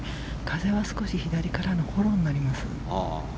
風は少し左からのフォローになります。